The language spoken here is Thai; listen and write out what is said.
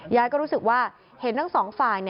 ยายก็รู้สึกว่าเห็นทั้งสองฝ่าย